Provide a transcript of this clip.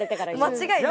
間違いない。